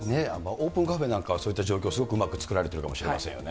オープンカフェなんかは、そういった状況、すごくうまく作られているかもしれませんね。